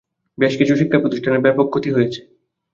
বেশ কিছু শিক্ষাপ্রতিষ্ঠানের ব্যাপক ক্ষতি হয়েছে।